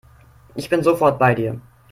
Ich bin sofort bei dir.